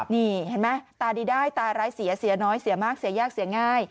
นี่เห็นไหมตาดีได้ตาร้ายเสียเสียน้อยเสียมากเสียยากเสียง่าย